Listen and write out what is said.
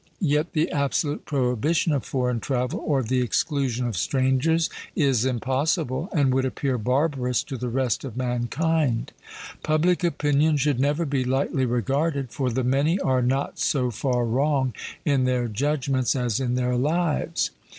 Yet the absolute prohibition of foreign travel, or the exclusion of strangers, is impossible, and would appear barbarous to the rest of mankind. Public opinion should never be lightly regarded, for the many are not so far wrong in their judgments as in their lives.